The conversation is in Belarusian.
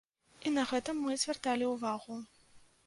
І на гэта мы звярталі ўвагу.